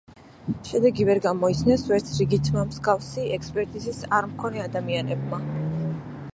შედეგი ვერ გამოიცნეს ვერც რიგითმა, მსგავსი ექსპერტიზის არმქონე ადამიანებმა.